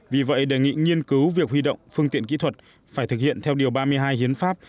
vì vậy đề nghị nghiên cứu việc huy động phương tiện kỹ thuật phải thực hiện theo điều ba mươi hai hiến pháp